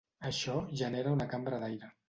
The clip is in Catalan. Això genera una cambra d’aire.